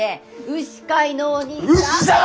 牛飼いのお兄さん。